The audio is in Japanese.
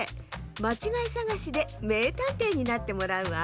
まちがいさがしでめいたんていになってもらうわ。